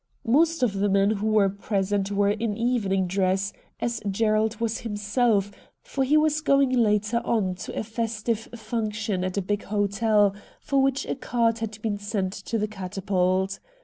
Most of the men who were present were in evening dress, as Gerald was THE MAN FROM AFAR 25 himself, for he was going later on to a festive function at a big hotel, for which a card had been sent to the ' Catapult.'